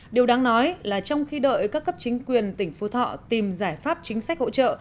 điều đáng nói là trong khi đợi các cấp chính quyền tỉnh phú thọ tìm giải pháp chính sách hỗ trợ